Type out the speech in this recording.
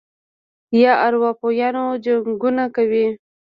یا اروپايانو جنګونو کې